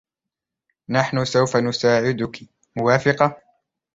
نحنُ سوفَ نُساعدكِ, موافقة ؟